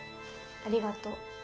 ありがとう。